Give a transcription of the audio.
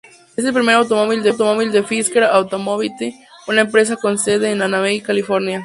Es el primer automóvil de Fisker Automotive, una empresa con sede en Anaheim, California.